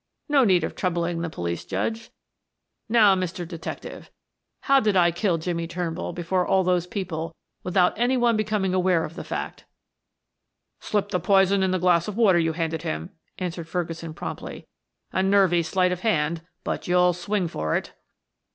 "No need of troubling the police judge. Now, Mr. Detective, how did I kill Jimmie Turnbull before all those people without any one becoming aware of the fact?" "Slipped the poison in the glass of water you handed him," answered Ferguson promptly. "A nervy sleight of hand, but you'll swing for it."